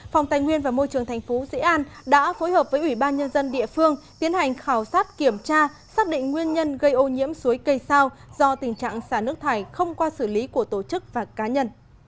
phòng tài nguyên và môi trường thành phố dĩ an đã phối hợp với ủy ban nhân dân địa phương tiến hành khảo sát kiểm tra xác định nguyên nhân gây ô nhiễm suối cây sao do tình trạng xả nước thải không qua xử lý của tổ chức và cá nhân